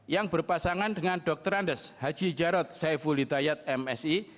yang berpasangan dengan dr andes haji jarod saifulitayat msi